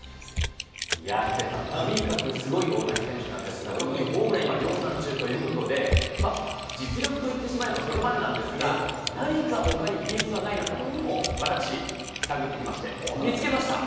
ヒデさん、とにかくすごい大谷選手なんですが、特にホームラン、今量産中ということで、実力といってしまえばそれまでなんですが、何かほかに秘密はないのかと、私、探ってきまして、見つけました。